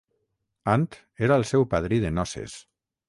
Ant era el seu padrí de noces.